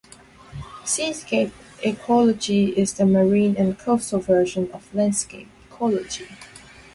Seascape ecology is the marine and coastal version of landscape ecology.